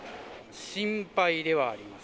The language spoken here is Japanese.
心配ではあります。